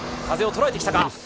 風を捉えてきたか。